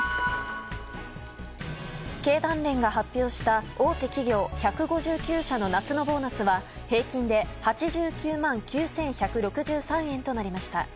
経団連が発表した大手企業１５９社の夏のボーナスは平均で８９万９１６３万円となりました。